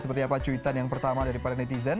seperti apa cuitan yang pertama dari para netizen